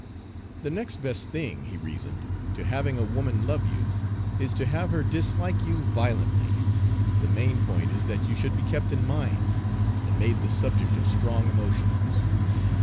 The next best thing, he reasoned, to having a woman love you, is to have her dislike you violently, the main point is that you should be kept in mind, and made the subject of strong emotions.